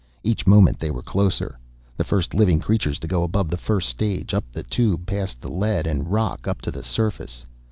Each moment they were closer, the first living creatures to go above the first stage, up the Tube past the lead and rock, up to the surface.